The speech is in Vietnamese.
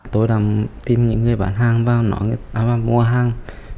tôi đang tìm những người bán hàng và mua hàng